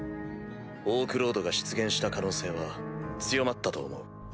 オークロードが出現した可能性は強まったと思う。